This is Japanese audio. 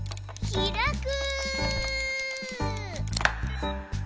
ひらく！